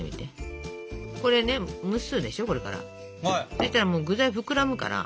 そしたら具材膨らむから。